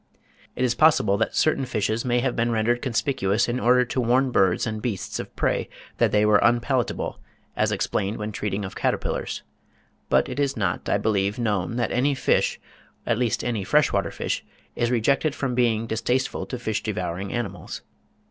It is possible that certain fishes may have been rendered conspicuous in order to warn birds and beasts of prey that they were unpalatable, as explained when treating of caterpillars; but it is not, I believe, known that any fish, at least any fresh water fish, is rejected from being distasteful to fish devouring animals.